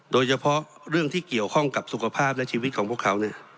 โดยเฉพาะเรื่องที่เกี่ยวข้องกับสุขภาพและชีวิตของพวกเขา